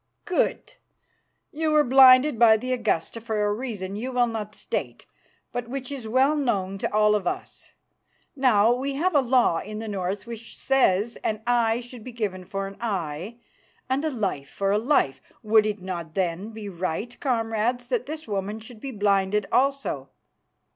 "Good. You were blinded by the Augusta for a reason you will not state, but which is well known to all of us. Now, we have a law in the North which says that an eye should be given for an eye and a life for a life. Would it not then be right, comrades, that this woman should be blinded also?"